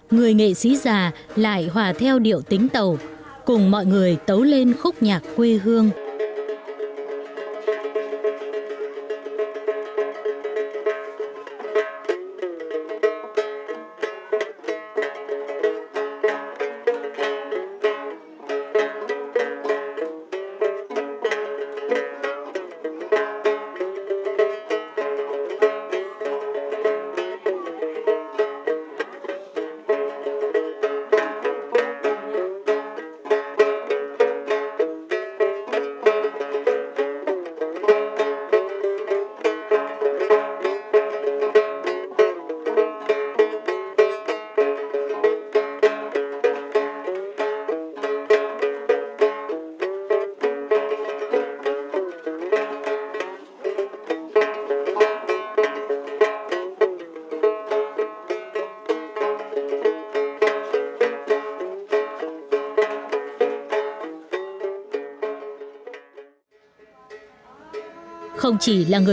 người nghệ sĩ già lại hòa theo điệu tính tẩu cùng mọi người tấu lên khúc nhạc quê hương